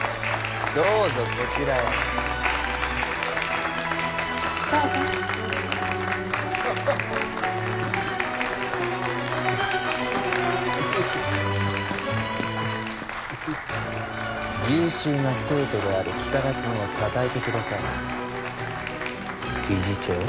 どうぞこちらへどうぞ優秀な生徒である北田くんをたたえてください理事長